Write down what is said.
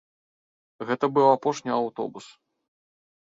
Гэта быў апошні аўтобус.